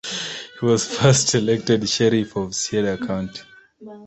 He was first elected Sheriff of Sierra county.